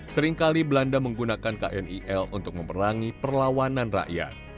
seringkali belanda menggunakan knil untuk memerangi perlawanan dengan tionghoa